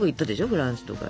フランスとか。